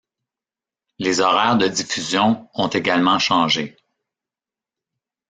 Les horaires de diffusion ont également changées.